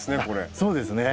そうですね。